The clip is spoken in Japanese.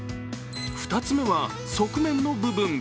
２つ目は、側面の部分。